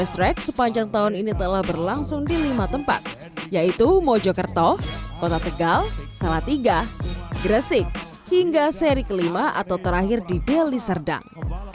sepanjang tahun ini telah berlangsung di lima tempat yaitu mojokerto kota tegal salatiga gresik hingga seri kelima atau terakhir di delhi serdang